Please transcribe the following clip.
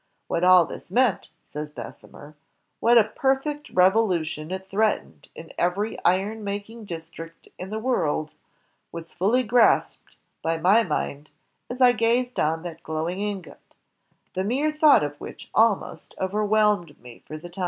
"What all this meant," says Bessemer, "what a perfect revolution it threatened in every iron making district in the world, was fully grasped by my mind as I gazed on that glowing ingot, the mere thought of which ahnost overwhehned me for the time."